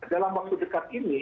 dalam waktu dekat ini